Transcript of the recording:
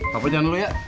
papa jangan lulu ya